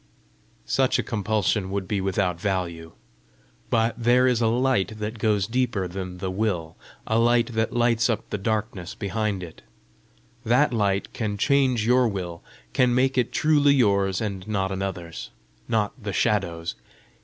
"Such a compulsion would be without value. But there is a light that goes deeper than the will, a light that lights up the darkness behind it: that light can change your will, can make it truly yours and not another's not the Shadow's.